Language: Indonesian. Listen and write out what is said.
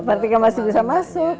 partikel masih bisa masuk